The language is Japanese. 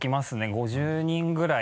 ５０人ぐらい。